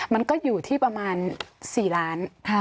มันก็อยู่ที่ประมาณ๔ล้าน